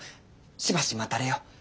しばし待たれよ。